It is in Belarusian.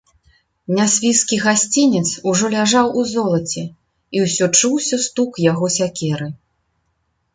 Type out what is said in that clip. Нясвіжскі гасцінец ужо ляжаў у золаце, і ўсё чуўся стук яго сякеры.